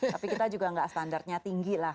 tapi kita juga nggak standarnya tinggi lah